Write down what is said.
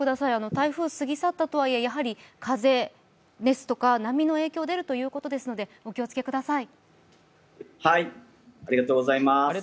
台風は過ぎ去ったとはいえ波の影響が出るということですので、お気をつけください。